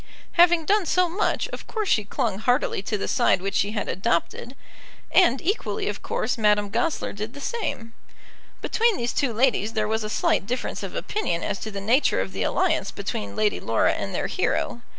Having done so much, of course she clung heartily to the side which she had adopted; and, equally of course, Madame Goesler did the same. Between these two ladies there was a slight difference of opinion as to the nature of the alliance between Lady Laura and their hero.